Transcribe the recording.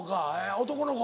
男の子？